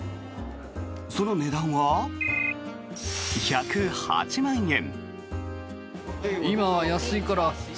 その値段は１０８万円。